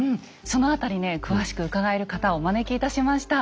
その辺りね詳しく伺える方をお招きいたしました。